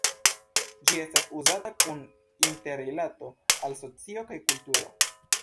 Ĝi estas uzata kun interrilato al socio kaj kulturo.